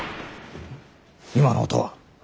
・今の音は？